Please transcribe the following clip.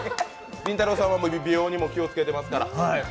りんたろーさんは美容にも気をつけていますから。